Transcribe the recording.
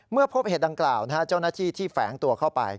พบเหตุดังกล่าวเจ้าหน้าที่ที่แฝงตัวเข้าไป